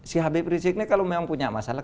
si habib rizik ini kalau memang punya masalah